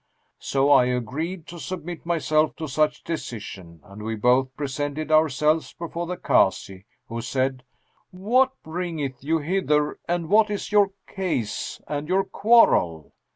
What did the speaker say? So I agreed to submit myself to such decision and we both presented ourselves before the Kazi, who said, 'What bringeth you hither and what is your case and your quarrel?'